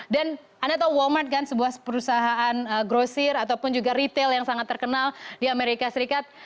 dan anda tahu walmart kan sebuah perusahaan grocery ataupun juga retail yang sangat terkenal di amerika serikat